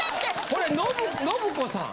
これ信子さん。